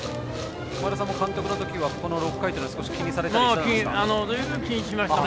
前田さんも監督のときは６回というのは少し気にされてました？